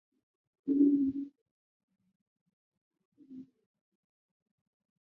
他现在效力于俄罗斯足球超级联赛球队摩度维亚萨兰斯克足球会。